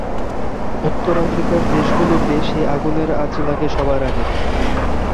উত্তর আফ্রিকার দেশগুলোতে সেই আগুনের আঁচ লাগে সবার আগে।